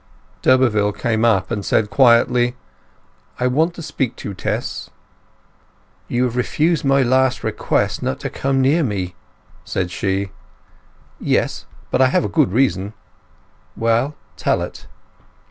D'Urberville came up and said quietly— "I want to speak to you, Tess." "You have refused my last request, not to come near me!" said she. "Yes, but I have a good reason." "Well, tell it."